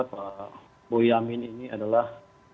pak boyamin ini adalah